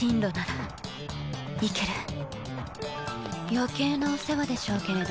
余計なお世話でしょうけれど。